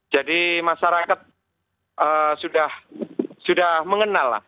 jadi masyarakat sudah mengenal